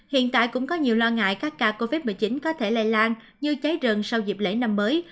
hiện tại cũng có nhiều lo ngại các ca covid một mươi chín có thể lây lan như cháy rừng sau dịp lễ năm mới